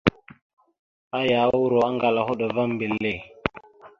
Aya uuro aŋgala a hoɗ va a mbelle.